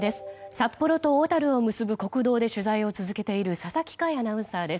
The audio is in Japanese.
札幌と小樽を結ぶ国道で取材を続けている佐々木快アナウンサーです。